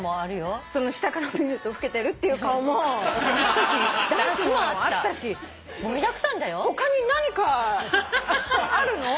下から見ると老けてるっていう顔もあったしダンスもあったし他に何かあるの？